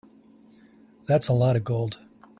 That's a lot of gold.